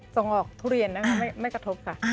ส่งออกทุเรียนนะคะไม่กระทบค่ะ